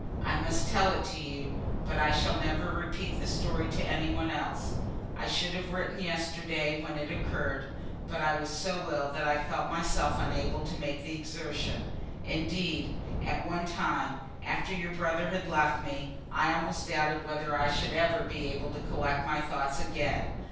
I must tell it to you, but I shall never repeat the story to any one else. I should have written yesterday, when it occurred, but I was so ill that I felt myself unable to make the exertion. Indeed, at one time, after your brother had left me, I almost doubted whether I should ever be able to collect my thoughts again.